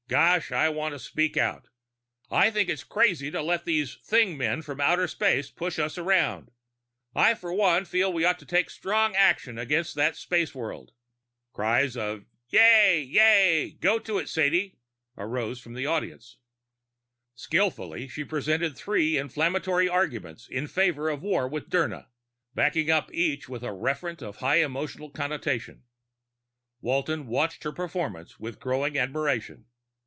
Gosh, I want to speak out. I think it's crazy to let these thing men from outer space push us around. I for one feel we ought to take strong action against that space world." Cries of "Yeah! Yeah! Go to it, Sadie!" rose from the audience. Skillfully she presented three inflammatory arguments in favor of war with Dirna, backing up each with a referent of high emotional connotation. Walton watched her performance with growing admiration.